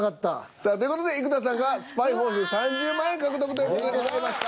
さあという事で生田さんがスパイ報酬３０万円獲得という事でございました。